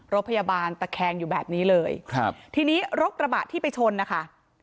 รถพยาบาลตะแคงอยู่แบบนี้เลยครับทีนี้รถกระบะที่ไปชนนะคะ